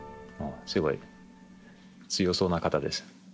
すごい強そうな方です。